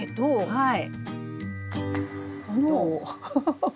はい。